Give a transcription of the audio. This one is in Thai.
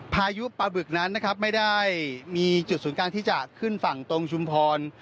พายุปลาบึกนั้นนะครับไม่ได้มีจุดศูนย์กลางที่จะขึ้นฝั่งตรงชุมพร